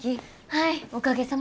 はいおかげさまで。